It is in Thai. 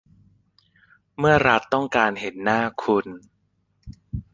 เมื่อรัฐต้องการเห็นหน้าคุณ